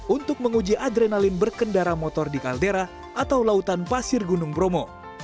untuk menguji adrenalin berkendara motor di kaldera atau lautan pasir gunung bromo